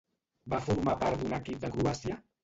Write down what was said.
Va formar part d'un equip de Croàcia?